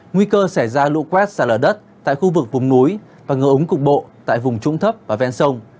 nguy cơ sẽ ra lũ quét ra lở đất tại khu vực vùng núi và ngựa úng cục bộ tại vùng trung thấp và ven sông